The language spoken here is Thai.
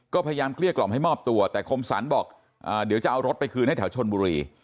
ก็พยายามเกลี้ยกล่อมให้มอบตัวแต่คมสรรบอกเดี๋ยวจะเอารถไปคืนให้แถวชนบุรี